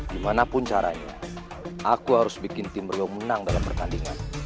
dimanapun caranya aku harus bikin tim beliau menang dalam pertandingan